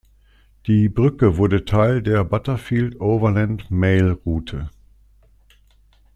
Die Brücke wurde Teil der "Butterfield Overland Mail Route".